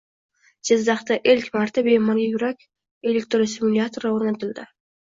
Jizzaxda ilk marta bemorga yurak elektrostimulyatori o‘rnatildi